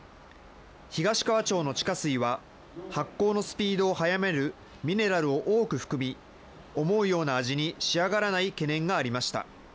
東川町の地下水は、発酵のスピードをはやめるミネラルを多く含み、思うような味に仕上がらない懸念がありました。